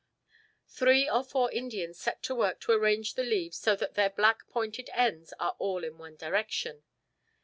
Three or four Indians set to work to arrange the leaves so that their black pointed ends are all in one direction.